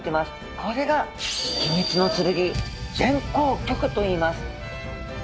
これが秘密の剣前向棘といいます。